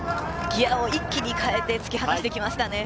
ギアを一気に変えて突き放してきましたね。